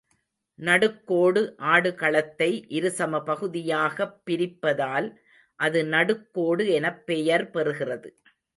நடுக்கோடு ஆடுகளத்தை இரு சம பகுதியாகப் பிரிப்பதால், அது நடுக்கோடு எனப் பெயர் பெறுகிறது.